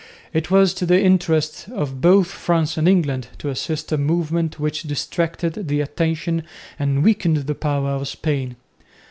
It was to the interest of both France and England to assist a movement which distracted the attention and weakened the power of Spain.